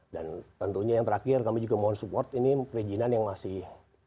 dan tentunya yang terakhir kami juga mohon support ini perizinan yang masih